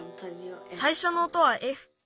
さいしょの音はＦ。